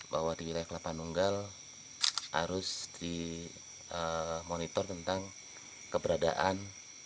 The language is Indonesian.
bahwa di wilayah kelapa nunggal harus dimonitor tentang keberadaan